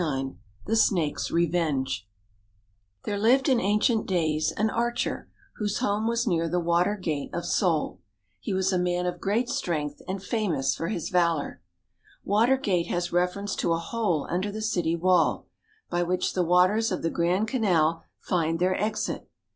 XXIX THE SNAKE'S REVENGE There lived in ancient days an archer, whose home was near the Water Gate of Seoul. He was a man of great strength and famous for his valour. Water Gate has reference to a hole under the city wall, by which the waters of the Grand Canal find their exit.